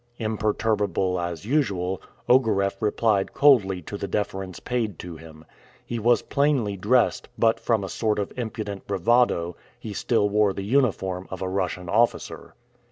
Imperturbable as usual, Ogareff replied coldly to the deference paid to him. He was plainly dressed; but, from a sort of impudent bravado, he still wore the uniform of a Russian officer.